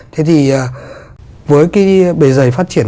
thế thì với cái bề dày phát triển